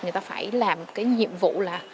người ta phải làm cái nhiệm vụ là